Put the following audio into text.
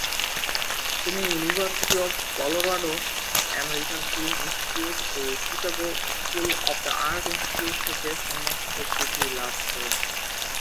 তিনি University of Colorado, American Film Institute ও শিকাগোর "School of the Art Institute" থেকে সম্মানসূচক ডিগ্রি লাভ করেছেন।